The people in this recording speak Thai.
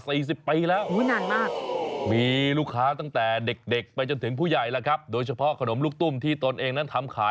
สี่สิบปีแล้วดูลูกค้าตั้งแต่เด็กไปถึงผู้ใหญ่แล้วครับโดยเฉพาะขนมลูกตุ้มที่ตนเองนะ